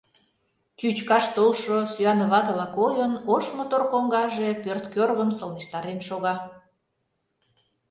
Чӱчкаш толшо сӱанватыла койын, ош-мотор коҥгаже пӧрткӧргым сылнештарен шога.